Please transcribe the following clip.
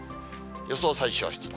予想最小湿度。